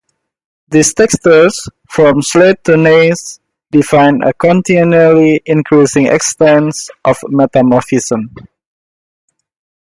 These textures, from slate to gneiss, define a continually-increasing extent of metamorphism.